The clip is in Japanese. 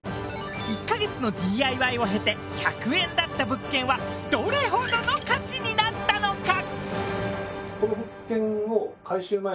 １ヵ月のＤＩＹを経て１００円だった物件はどれほどの価値になったのか？